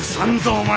お前！